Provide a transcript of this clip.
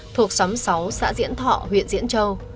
thuộc xóm sáu xã diễn thọ huyện diễn châu